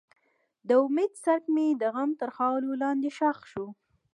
د امید څرک مې د غم تر خاورو لاندې ښخ شو.